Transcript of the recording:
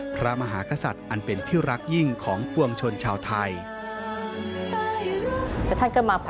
พระมหากษัตริย์อันเป็นที่รักยิ่งของปวงชนชาวไทย